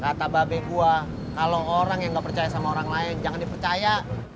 kata babe gua kalau orang yang nggak percaya sama orang lain jangan dipercaya